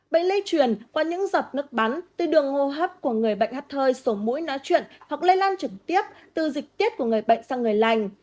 bệnh lây truyền qua những giọt nước bắn từ đường hô hấp của người bệnh hát hơi sổ mũi nói chuyện hoặc lây lan trực tiếp từ dịch tiết của người bệnh sang người lành